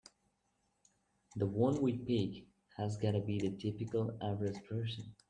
The one we pick has gotta be the typical average person.